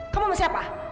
kamu masih apa